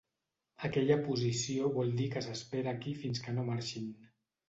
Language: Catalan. Aquella posició vol dir que s'espera aquí fins que no marxin.